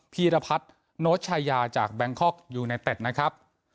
พีรพัสโน้ตชายาจากยูเน็ตเด็ดนะครับ